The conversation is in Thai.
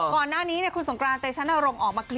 ก่อนหน้านี้เนี้ยคุณสงการแต่ฉันอารมณ์ออกมา